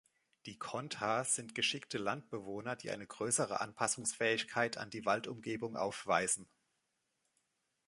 Die Kondha sind geschickte Landbewohner, die eine größere Anpassungsfähigkeit an die Waldumgebung aufweisen.